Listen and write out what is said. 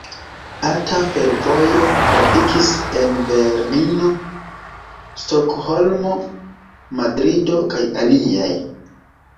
Alta fervojo trafikis en Berlino, Stokholmo, Madrido, kaj aliaj.